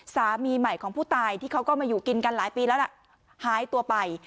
สามีใหม่ของผู้ตายที่เขาก็มาอยู่กินกันหลายปีแล้วล่ะหายตัวไป